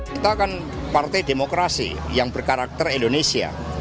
kita kan partai demokrasi yang berkarakter indonesia